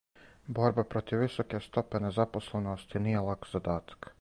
Борба против високе стопе незапослености није лак задатак.